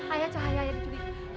ayah cahaya ayah diculik